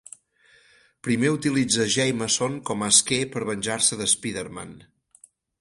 Primer utilitza Jameson com a esquer per venjar-se de Spider-Man.